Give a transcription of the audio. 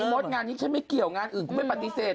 มดงานนี้ฉันไม่เกี่ยวงานอื่นกูไม่ปฏิเสธ